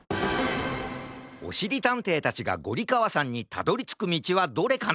おしりたんていたちがゴリかわさんにたどりつくみちはどれかな？